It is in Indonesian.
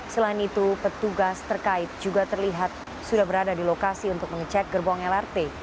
selain itu petugas terkait juga terlihat sudah berada di lokasi untuk mengecek gerbong lrt